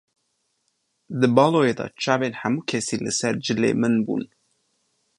Di baloyê de çavên hemû kesî li ser cilê min bûn.